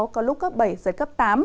có lúc cấp bảy giật cấp tám